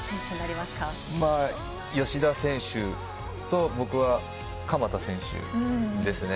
まあ、吉田選手と僕は鎌田選手ですね。